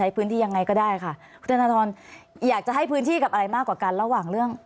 พูดมากกว่ากันระหว่างเรื่อง